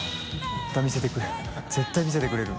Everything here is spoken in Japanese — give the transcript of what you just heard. また見せてくれる絶対見せてくれる。